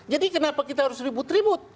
jadi kenapa kita harus ribut ribut